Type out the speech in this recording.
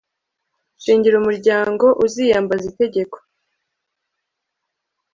shingiro umuryango uziyambaza itegeko